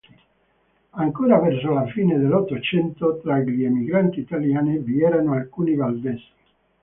Ancora verso la fine dell'Ottocento, tra gli emigranti italiani vi erano alcuni valdesi.